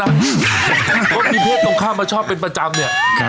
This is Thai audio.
เพราะมีเพศตรงข้ามมาชอบเป็นประจำเนี่ย